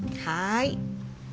はい。